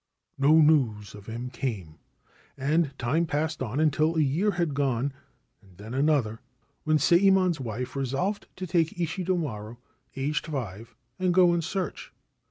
No news of him came, and time passed on until a year had gone, and then another, when Sayemon's wife resolved to take Ishidomaru, aged five, and go in search.